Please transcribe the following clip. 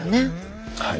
はい。